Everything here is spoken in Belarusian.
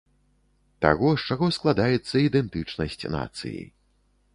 Таго, з чаго складаецца ідэнтычнасць нацыі.